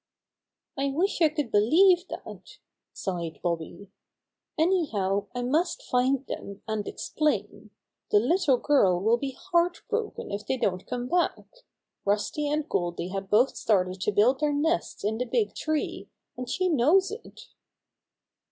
"I wish I could believe that," sighed Bobby. "Anyhow I must find them and explain. The little girl will be heart broken if they don't come back. Rusty and Goldy had both started to build their nests in the big tree, and she knows it."